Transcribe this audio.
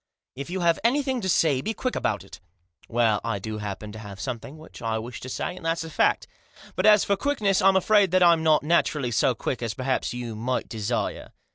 " If you have anything to say, be quick about it." "Well, I do happen to have something which I wish to say, and that's a fact ; but as for quickness I'm afraid that I'm not naturally so quick as perhaps you might desire."